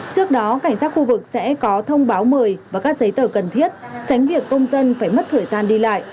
trước đó cảnh sát khu vực sẽ có thông báo mời và các giấy tờ cần thiết tránh việc công dân phải mất thời gian đi lại